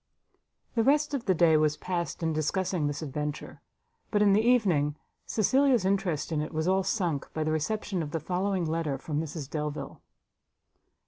The rest of the day was passed in discussing this adventure; but in the evening, Cecilia's interest in it was all sunk, by the reception of the following letter from Mrs Delvile.